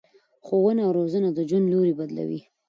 ښوونه او روزنه د ژوند لوری بدلوي.